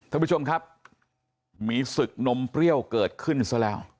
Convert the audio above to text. ท่านผู้ชมครับมีศึกนมเปรี้ยวเกิดขึ้นซะแล้ว